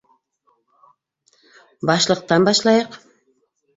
Башлыҡтан башлайыҡ.